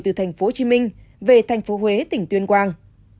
từ tp hcm về tp huế tỉnh tuyên quang